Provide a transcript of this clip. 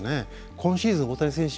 今シーズン大谷選手